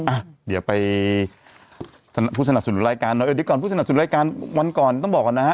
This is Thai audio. อ่ะเดี๋ยวไปผู้สนับสนุนรายการหน่อยเออเดี๋ยวก่อนผู้สนับสนุนรายการวันก่อนต้องบอกก่อนนะฮะ